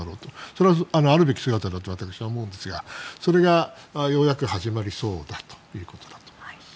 それはあるべき姿だと私は思うんですがそれがようやく始まりそうだということだと思います。